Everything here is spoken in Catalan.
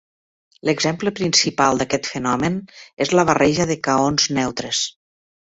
L'exemple principal d'aquest fenomen és la barreja de kaons neutres.